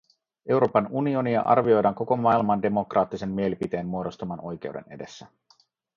Euroopan unionia arvioidaan koko maailman demokraattisen mielipiteen muodostaman oikeuden edessä.